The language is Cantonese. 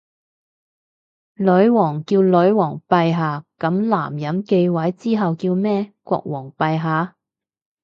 女王叫女皇陛下，噉男人繼位之後叫咩？國王陛下？